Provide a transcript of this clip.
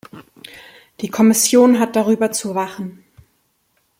Die Kommission hat darüber zu wachen.